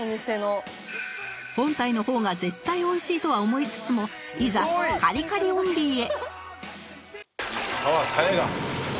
本体の方が絶対美味しいとは思いつつもいざカリカリオンリーへ